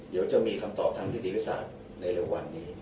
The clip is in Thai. เดี๋ยวจะมีคำตอบทางนิติวิทยาศาสตร์ในเร็ววันนี้